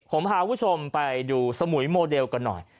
ผมพาคุณผู้ชมไปดูสมุยโมเดลกันหน่อย